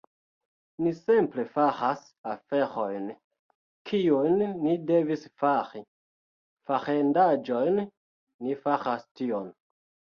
Ni simple faras aferojn, kiujn ni devis fari; farendaĵojn - Ni faras tion